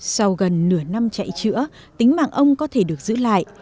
sau gần nửa năm chạy chữa tính mạng ông có thể được giữ lại